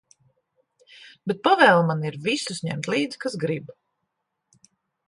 Bet pavēle man ir visus ņemt līdzi, kas grib.